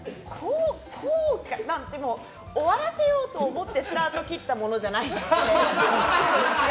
でも、終わらせようと思ってスタートを切ってないので。